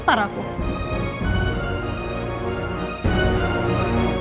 tampar aku mas